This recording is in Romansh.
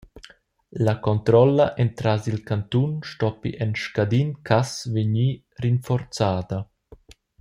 La controlla entras il cantun stoppi en scadin cass vegnir rinforzada.